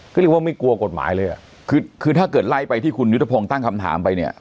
ก็เรียกว่าไม่กลัวกฎหมายเลยอ่ะคือคือถ้าเกิดไล่ไปที่คุณยุทธพงศ์ตั้งคำถามไปเนี่ย